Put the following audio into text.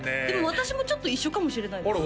私もちょっと一緒かもしれないです